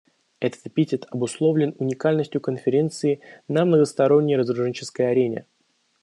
Этот эпитет обусловлен уникальностью Конференции на многосторонней разоруженческой арене.